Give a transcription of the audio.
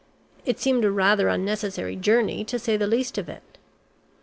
It seemed a rather unnecessary journey to say the least of it."